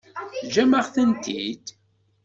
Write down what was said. Teǧǧam-aɣ-tent-id?